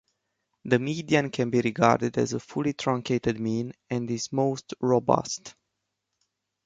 The median can be regarded as a fully truncated mean and is most robust.